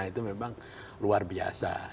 itu memang luar biasa